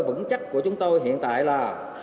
vững chắc của chúng tôi hiện tại là